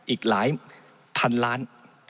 อีกหลายพันล้าน